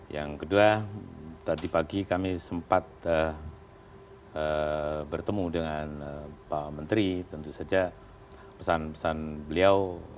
yang kedua tadi pagi kami sempat bertemu dengan pak menteri tentu saja pesan pesan beliau